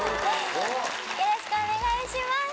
よろしくお願いします。